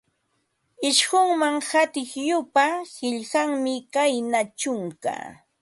Isqunman qatiq yupa, qillqanmi kayna: chunka